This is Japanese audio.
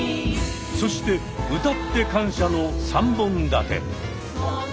そして歌って感謝の３本立て！